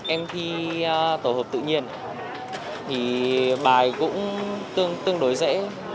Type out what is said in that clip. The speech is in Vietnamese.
em thi tổ hợp tự nhiên thì bài cũng tương đối dễ